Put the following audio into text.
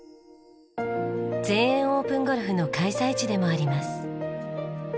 全英オープンゴルフの開催地でもあります。